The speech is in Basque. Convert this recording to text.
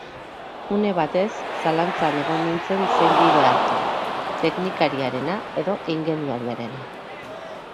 Une batez zalantzatan egon nintzen zein bide hartu: tenikariarena edo ingeniariarena.